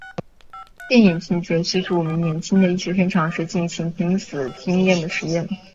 电影剧情叙述五名年轻的医学生尝试进行濒死经验的实验。